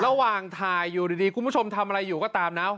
ระหว่างถ่ายอยู่ดีคุณผู้ชมทำอะไรอยู่ก็ตามนะ